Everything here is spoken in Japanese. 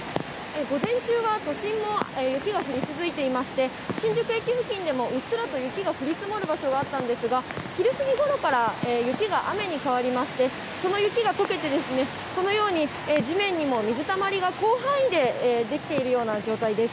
午前中は都心も雪が降り続いていまして、新宿駅付近でもうっすらと雪が降り積もる場所があったんですが、昼過ぎごろから雪が雨に変わりまして、その雪がとけて、このように地面にも水たまりが広範囲に出来ているような状態です。